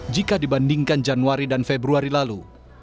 jika dibandingkan januari dan februari lalu